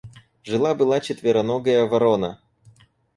Жила была четвероногая ворона.